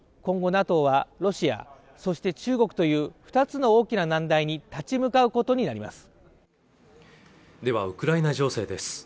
今後ＮＡＴＯはロシアそして中国という２つの大きな難題に立ち向かうことになりますではウクライナ情勢です